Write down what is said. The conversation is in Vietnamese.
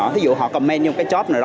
thí dụ họ comment trong cái job nào đó